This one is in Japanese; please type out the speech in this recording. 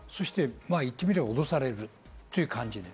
言ってみれば脅されるという感じ。